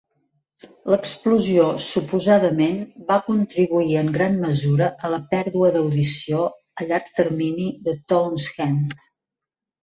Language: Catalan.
L'explosió suposadament va contribuir en gran mesura a la pèrdua d'audició a llarg termini de Townshend.